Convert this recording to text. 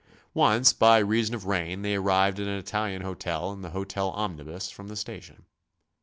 Once by reason of rain they arrived at an Italian hotel in the hotel omnibus from the station.